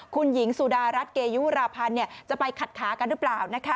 คุณหญิงสุดารัฐเกยุราพันธ์จะไปขัดขากันหรือเปล่านะคะ